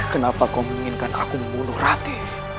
kenapa kau menginginkan aku membunuh rati